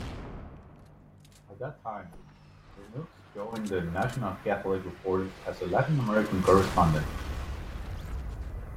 At that time, Lernoux joined the "National Catholic Reporter" as a Latin American correspondent.